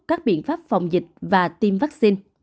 các biện pháp phòng dịch và tiêm vaccine